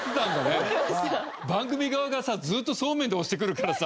番組側がさずーっとソーメンで押してくるからさ